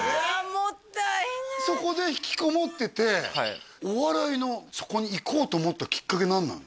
もったいないそこで引きこもっててお笑いのそこに行こうと思ったきっかけ何なの？